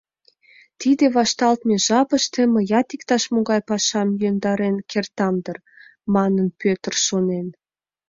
Тиде вашталтме жапыште мыят иктаж-могай пашам йӧндарен кертам дыр, — манын, Пӧтыр шонен.